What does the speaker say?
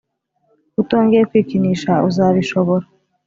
utongeye kwikinisha uzabishobora